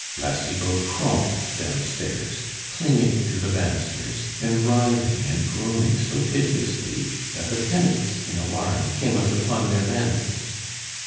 La Cibot crawled downstairs, clinging to the banisters, and writhing and groaning so piteously that the tenants, in alarm, came out upon their landings.